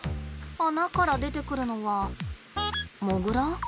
穴から出てくるのはモグラ？